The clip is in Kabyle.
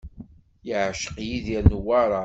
Yeɛceq Yidir Newwara.